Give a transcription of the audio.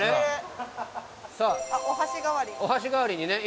さあお箸代わりにね